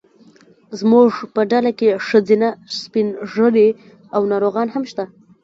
زموږ په ډله کې ښځینه، سپین ږیري او ناروغان هم شته.